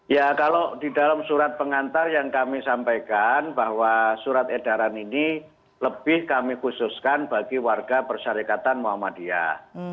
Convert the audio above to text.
ya kalau di dalam surat pengantar yang kami sampaikan bahwa surat edaran ini lebih kami khususkan bagi warga persyarikatan muhammadiyah